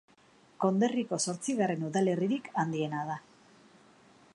Konderriko zortzigarren udalerririk handiena da.